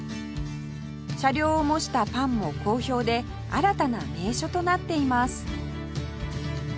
車両を模したパンも好評で新たな名所となっています